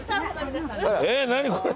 えー何これ。